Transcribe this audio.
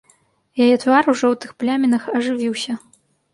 Яе твар, у жоўтых плямінах, ажывіўся.